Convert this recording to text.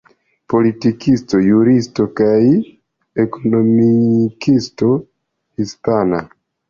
Politikisto, juristo kaj ekonomikisto hispana.